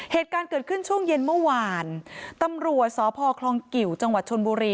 เหตุการณ์เกิดขึ้นช่วงเย็นเมื่อวานตำรวจสพคลองกิวจังหวัดชนบุรี